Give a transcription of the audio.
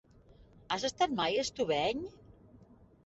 Has estat mai a Estubeny?